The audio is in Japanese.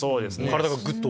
体がぐっと。